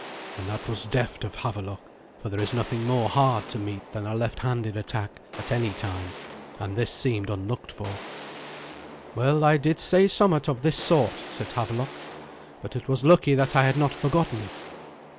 And that was deft of Havelok, for there is nothing more hard to meet than a left handed attack at any time, and this seemed unlooked for. "Well, I did say somewhat of this sort," said Havelok; "but it was lucky that I had not forgotten it."